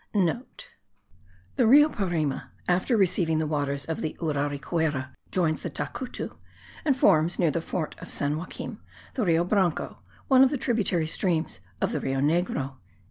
(* The Rio Parime, after receiving the waters of the Uraricuera, joins the Tacutu, and forms, near the fort of San Joacquim, the Rio Branco, one of the tributary streams of the Rio Negro.)